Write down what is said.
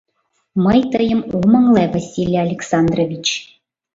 Мый тыйым ом ыҥле, Василий Александрович.